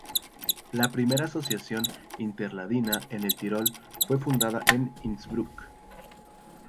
La primera asociación inter-ladina en el Tirol fue fundada en Innsbruck.